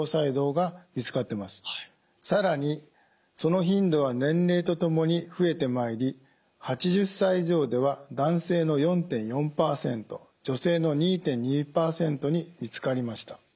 更にその頻度は年齢とともに増えてまいり８０歳以上では男性の４．４％女性の２．２％に見つかりました。